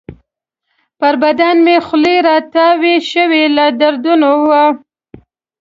پر بدن مې خولې راتویې شوې، له درده وو.